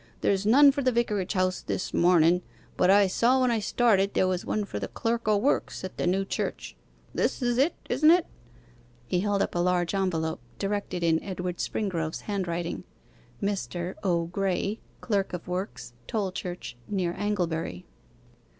There's none for the vicarage house this mornen, but I saw when I started there was one for the clerk o' works at the new church. This is it, isn't it?' He held up a large envelope, directed in Edward Springrove's handwriting: 'MR. O. GRAYE, CLERK OF WORKS, TOLCHURCH, NEAR ANGLEBURY.